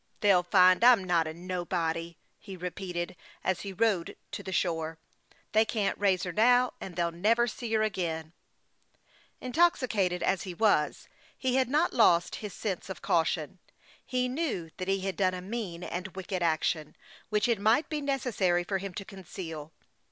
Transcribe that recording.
" They'll find I'm not a nobody," he repeated, as he rowed to the shore. " They can't raise her now ; and they'll never see her again." 164 HASTE AND WASTE, OR Intoxicated as he was, he had not lost his sense of caution. He knew that he had done a mean and wicked action, which it might be necessary for him to conceal.